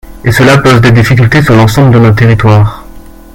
Et cela pose des difficultés sur l’ensemble de nos territoires.